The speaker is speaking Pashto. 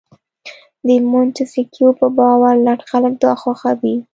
د مونتیسکیو په باور لټ خلک دا خوښوي.